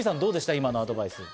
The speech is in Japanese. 今のアドバイス。